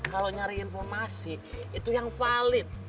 kalau nyari informasi itu yang valid